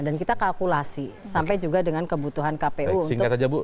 dan kita kalkulasi sampai juga dengan kebutuhan kpu untuk mengkemplasi